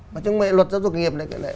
mà chứ mệ luật giáo dục nghiệp này